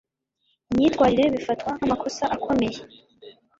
imyitwarire bifatwa nk amakosa akomeye